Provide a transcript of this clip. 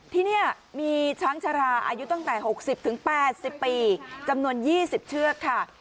ที่เนี่ยมีช้างชราอายุตั้งแต่หกสิบถึงแปดสิบปีจำนวนยี่สิบเชือกค่ะ